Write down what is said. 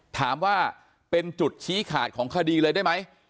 ถามว่าเป็นจุดชี้ขาดของคดีเลยได้ไหม